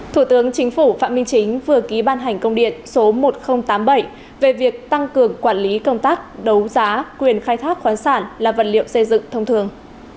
thủ tướng chính phủ phạm minh chính vừa ký ban hành công điện số một nghìn tám mươi bảy về việc tăng cường quản lý công tác đấu giá quyền khai thác khoản sản là vật liệu xây dựng thông thường